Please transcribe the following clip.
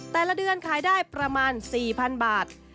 แต่ละเดือนขายได้ประมาณ๔๐๐๐บาท